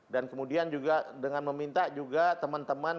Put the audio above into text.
dan kemudian juga dengan meminta juga teman teman